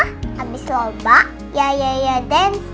habis lomba ya ya ya dance